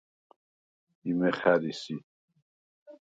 იმე ხა̈რი სი?